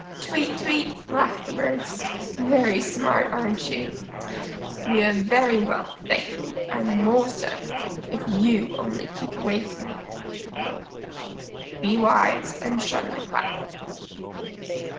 "Tweet, tweet," laughed the Birds. "Very smart, aren't you? We are very well, thank you, and more so, if you only keep away from here." _Be wise and shun the quack.